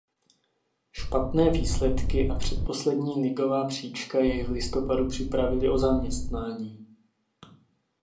Špatné výsledky a předposlední ligová příčka jej v listopadu připravily o zaměstnání.